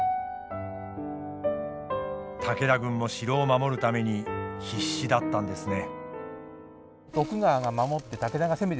武田軍も城を守るために必死だったんですね。